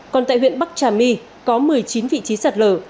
còn tại huyện bắc trà my có một mươi chín vị trí sạt lở